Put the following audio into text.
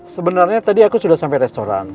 sebenarnya tadi aku sudah sampai restoran